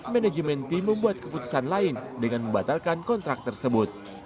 manajemen tim membuat keputusan lain dengan membatalkan kontrak tersebut